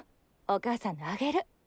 お母さんのあげる。